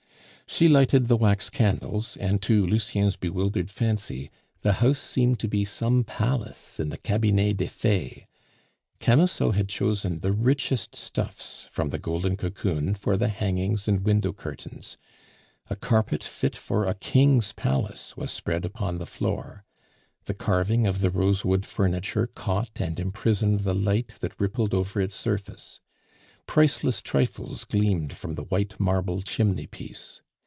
She lighted the wax candles, and to Lucien's bewildered fancy, the house seemed to be some palace in the Cabinet des Fees. Camusot had chosen the richest stuffs from the Golden Cocoon for the hangings and window curtains. A carpet fit for a king's palace was spread upon the floor. The carving of the rosewood furniture caught and imprisoned the light that rippled over its surface. Priceless trifles gleamed from the white marble chimney piece.